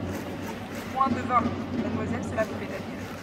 Point de vin ! Mademoiselle, cela vous plaît à dire.